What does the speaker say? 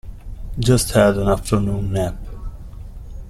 Just had an afternoon nap.